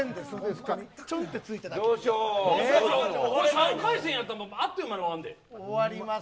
３回戦やったらあっという間に終わるで。